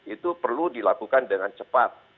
itu perlu dilakukan dengan cepat